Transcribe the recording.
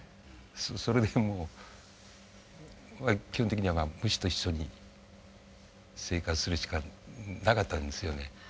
それでもう基本的には虫と一緒に生活するしかなかったんですよね。